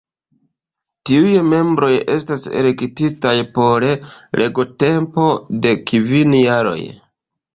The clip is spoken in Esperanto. Tiuj membroj estas elektitaj por regotempo de kvin jaroj.